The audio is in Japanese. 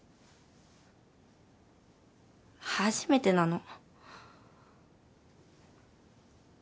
初めてなの。